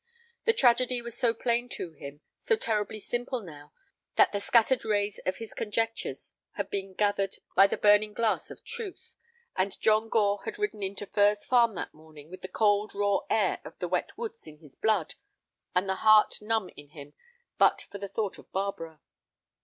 The tragedy was so plain to him, so terribly simple now that the scattered rays of his conjectures had been gathered by the burning glass of truth. And John Gore had ridden into Furze Farm that morning with the cold raw air of the wet woods in his blood and the heart numb in him but for the thought of Barbara.